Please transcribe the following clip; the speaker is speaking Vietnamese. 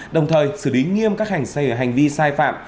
đồng thời xử lý nghiêm các hành vi sai phạm